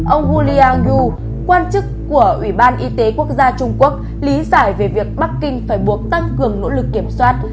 ông hulliang yu quan chức của ủy ban y tế quốc gia trung quốc lý giải về việc bắc kinh phải buộc tăng cường nỗ lực kiểm soát